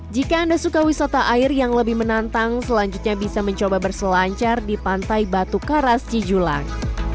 jika anda suka wisata air yang lebih menantang selanjutnya bisa mencoba berselancar di pantai batu karas cijulang